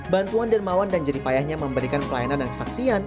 bantuan dermawan dan jeripayahnya memberikan pelayanan dan kesaksian